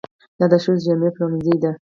دا د ښځو جامې پلورنځی دی.